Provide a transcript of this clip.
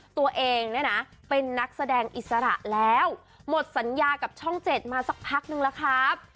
ตัวเองเนี่ยนะเป็นนักแสดงอิสระแล้วหมดสัญญากับช่อง๗มาสักพักนึงแล้วครับ